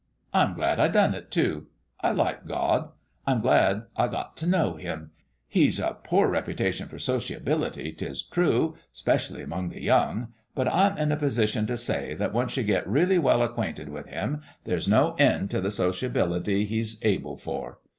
I'm glad I done it, too. I like God : I'm glad I got t' know Him. He's a poor reputation for sociability, 'tis true, especially among the young ; but I'm in a position t' say that once you get really well acquainted with Him there's no end t' the sociability He's able for.